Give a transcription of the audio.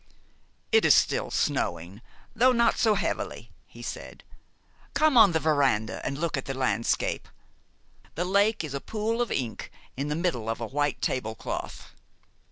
"It is still snowing, though not so heavily," he said. "Come on the veranda, and look at the landscape. The lake is a pool of ink in the middle of a white table cloth."